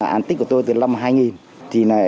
án tích của tôi từ năm hai nghìn